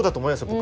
僕。